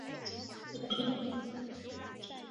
由一百廿四名司铎名管理廿四个堂区。